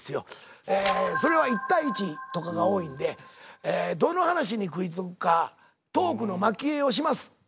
それは１対１とかが多いんでどの話に食いつくかトークのまき餌をします。